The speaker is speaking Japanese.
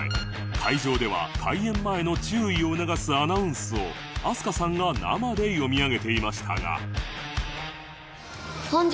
会場では開演前の注意を促すアナウンスを飛鳥さんが生で読み上げていましたが